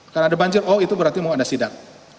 karena ada banjir oh itu berarti mau ada sidat